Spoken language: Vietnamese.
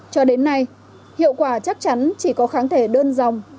cho đến nay hiệu quả chắc chắn chỉ có kháng thể đơn dòng